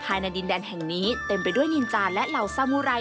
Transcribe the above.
ในดินแดนแห่งนี้เต็มไปด้วยนินจาและเหล่าสามูไร